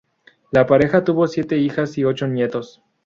La pareja tuvo siete hijas y ocho nietos.